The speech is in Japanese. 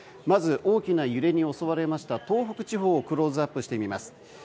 まず大きな揺れに襲われました東北地方をクローズアップしてみます。